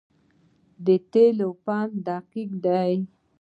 د تیلو پمپونه دقیق دي؟